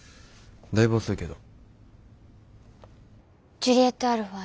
だいぶ遅いけど。